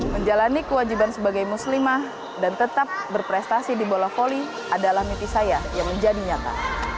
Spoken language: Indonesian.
menjalani kewajiban sebagai muslimah dan tetap berprestasi di bola volley adalah mimpi saya yang menjadi nyata